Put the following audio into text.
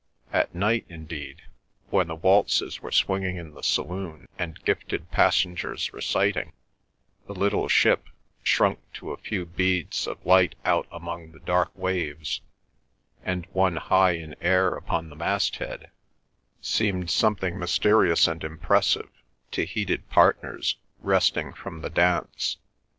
At night, indeed, when the waltzes were swinging in the saloon, and gifted passengers reciting, the little ship—shrunk to a few beads of light out among the dark waves, and one high in air upon the mast head—seemed something mysterious and impressive to heated partners resting from the dance.